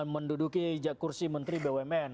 menduduki kursi menteri bumn